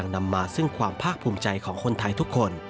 นำมาซึ่งความภาคภูมิใจของคนไทยทุกคน